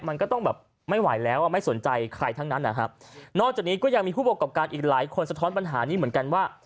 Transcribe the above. มันก็ต้องแบบไม่ไหวแล้วอ่ะไม่สนใจใครทั้งนั้นนะครับนอกจากนี้ก็ยังมีผู้ประกอบการอีกหลายคนสะท้อนปัญหานี้เหมือนกันว่า